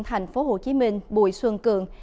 thành phố hồ chí minh bùi xuân cường